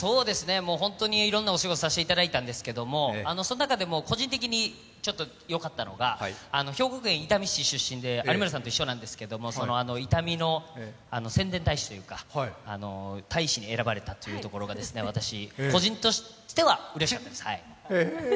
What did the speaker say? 本当にいろんなお仕事させていただいたんですがその中でも個人的によかったのが、兵庫県伊丹市出身で有村さんと一緒なんですが伊丹の宣伝大使に選ばれたことが私、個人的にはうれしかったです。